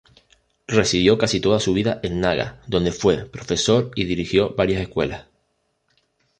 Residió casi toda su vida en Naga, donde fue profesor y dirigió varias escuelas.